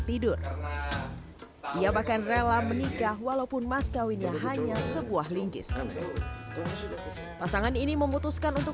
tidur ia bahkan rela menikah walaupun maskawinnya hanya sebuah linggis pasangan ini memutuskan untuk